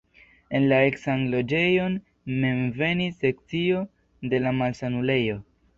En la eksan loĝejon mem venis sekcio de la malsanulejo.